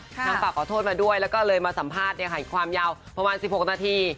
น้องฝากขอโทษมาด้วยแล้วก็เลยมาสัมภาษณ์ความยาวประมาณ๑๖นาที